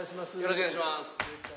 よろしくお願いします。